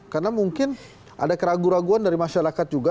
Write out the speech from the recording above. karena mungkin ada keraguan keraguan dari masyarakat juga